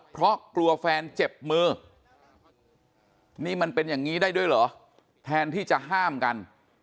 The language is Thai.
เพราะกลัวแฟนเจ็บมือนี่มันเป็นอย่างนี้ได้ด้วยเหรอแทนที่จะห้ามกัน